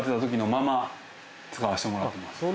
使わしてもらってます。